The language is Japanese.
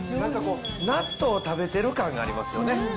納豆食べてる感がありますよね。